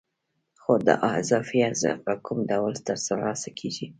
خو دا اضافي ارزښت په کوم ډول ترلاسه کېږي